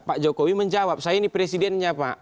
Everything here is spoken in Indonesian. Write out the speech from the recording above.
pak jokowi menjawab saya ini presidennya pak